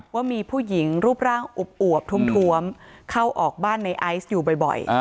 ว่ามีผู้หญิงรูปร่างอวบถ้วมเข้าออกบ้านในไอซ์อยู่บ่อย